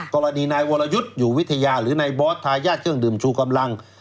กรณีนายวรยุทธ์อยู่วิทยาหรือนายบอสทายาทเครื่องดื่มชูกำลัง